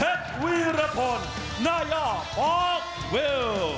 เบลูจอร์น่าบอลวิล